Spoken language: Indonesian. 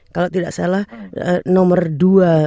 kalau tidak salah nomor dua